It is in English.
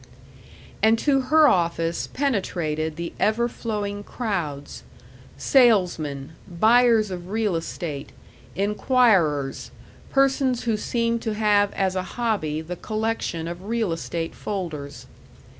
And to her office penetrated the ever flowing crowds salesmen, buyers of real estate, inquirers, persons who seemed to have as a hobby the collection of real estate folders.